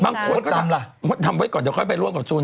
บางคนก็ทำละทำไว้ก่อนเดี๋ยวไปล่วนกับจูน